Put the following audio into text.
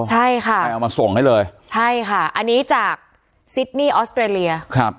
ใช่ค่ะให้เอามาส่งให้เลยใช่ค่ะอันนี้จากซิดนี่ออสเตรเลียครับ